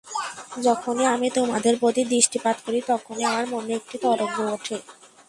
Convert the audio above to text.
যখনই আমি তোমাদের প্রতি দৃষ্টিপাত করি, তখনই আমার মনে একটি তরঙ্গ উঠে।